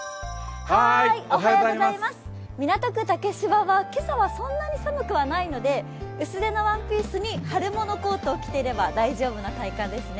港区竹芝は今朝はそんなに寒くはないので薄手のワンピースに春物コートを着ていれば大丈夫な体感ですね。